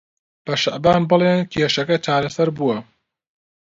بە شەعبان بڵێن کێشەکە چارەسەر بووە.